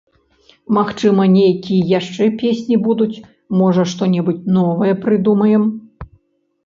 Магчыма, нейкія яшчэ песні будуць, можа, што-небудзь новае прыдумаем.